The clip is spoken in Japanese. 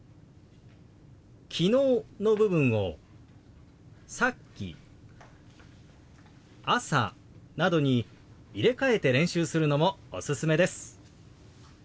「昨日」の部分を「さっき」「朝」などに入れ替えて練習するのもおすすめです。